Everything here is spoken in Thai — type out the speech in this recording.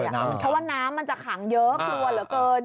เพราะว่าน้ำมันจะขังเยอะกลัวเหลือเกิน